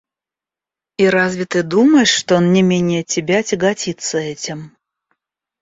И разве ты думаешь, что он не менее тебя тяготится этим?